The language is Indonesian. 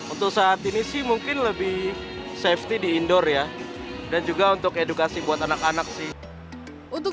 untuk saat ini sih mungkin lebih safety di indoor ya dan juga untuk edukasi buat anak anak sih untuk